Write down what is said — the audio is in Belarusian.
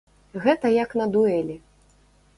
Гэта як на дуэлі.